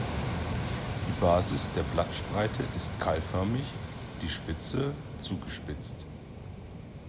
Die Basis der Blattspreite ist keilförmig, die Spitze zugespitzt.